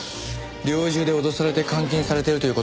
猟銃で脅されて監禁されているという事は